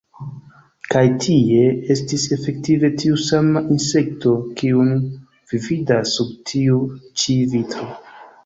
Kaj tie estis efektive tiu sama insekto, kiun vi vidas sub tiu ĉi vitro.